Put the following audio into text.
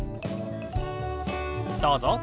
どうぞ。